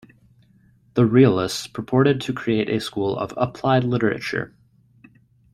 The Realists purported to create a school of "applied literature".